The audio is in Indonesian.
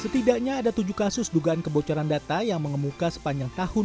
setidaknya ada tujuh kasus dugaan kebocoran data yang mengemuka sepanjang tahun dua ribu dua puluh